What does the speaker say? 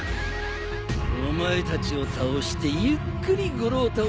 お前たちを倒してゆっくり五郎太を捜すとするか。